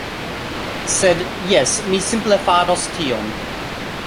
Sed... jes, mi simple faros tion.